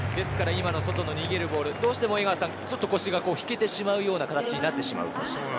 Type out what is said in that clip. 今の外に逃げるボール、どうしても腰が引けてしまうような形になってしまうと。